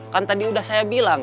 kan tadi udah saya bilang